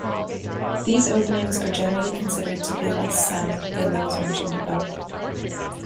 These openings are generally considered to be less sound than those mentioned above.